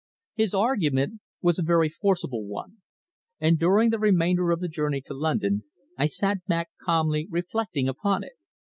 His argument was a very forcible one, and during the remainder of the journey to London I sat back calmly reflecting upon it.